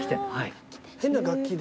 変な楽器で。